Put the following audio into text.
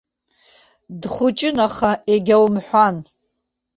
Дхәыҷын, аха егьаумҳәан.